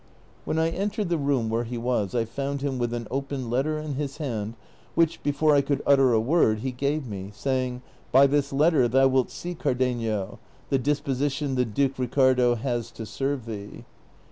When I entered the room where he was I found him Avith an open letter in his hand, wliieh, before I could utter a word, he gave me, saying, " By this letter thou wilt see, Cardenio, the disposition the Duke Ricardo has to serve thee."